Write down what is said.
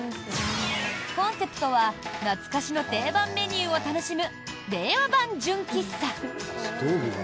コンセプトは懐かしの定番メニューを楽しむ令和版純喫茶。